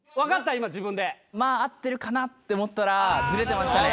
今自分でまあ合ってるかなって思ったらズレてましたね